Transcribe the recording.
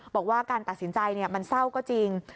บอกว่าการตัดสินใจมันเศร้าก็จริง